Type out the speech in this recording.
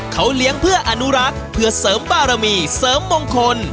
เขาเลี้ยงเพื่ออนุรักษ์เพื่อเสริมบารมีเสริมมงคล